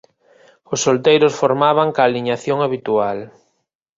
Os solteiros formaban coa aliñación habitual: